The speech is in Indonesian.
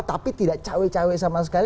tapi tidak cawe cawe sama sekali